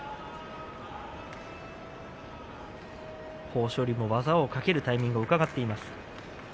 豊昇龍も技をかけるタイミングをうかがっています。